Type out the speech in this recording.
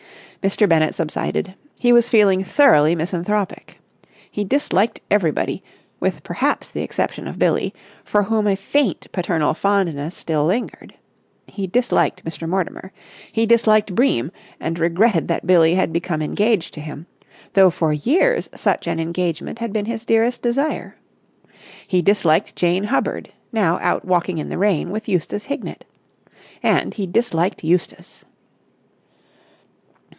Mr. Bennett subsided. He was feeling thoroughly misanthropic. He disliked everybody, with perhaps the exception of Billie, for whom a faint paternal fondness still lingered. He disliked Mr. Mortimer. He disliked Bream, and regretted that Billie had become engaged to him, though for years such an engagement had been his dearest desire. He disliked Jane Hubbard, now out walking in the rain with Eustace Hignett. And he disliked Eustace.